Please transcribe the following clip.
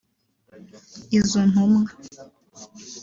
Izo ntumwa